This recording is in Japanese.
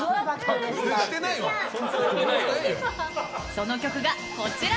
その曲が、こちら。